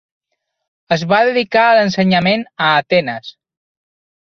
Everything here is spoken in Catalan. Es va dedicar a l'ensenyament a Atenes.